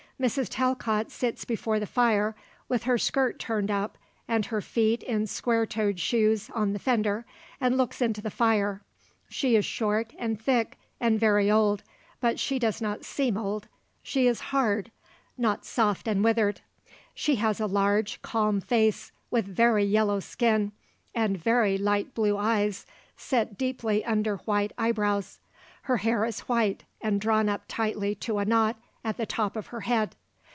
Mrs. Talcott sits before the fire with her skirt turned up and her feet in square toed shoes on the fender and looks into the fire. She is short and thick and very old, but she does not seem old; she is hard; not soft and withered. She has a large, calm face with very yellow skin, and very light blue eyes set deeply under white eyebrows. Her hair is white and drawn up tightly to a knot at the top of her head.